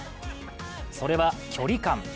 それは距離感。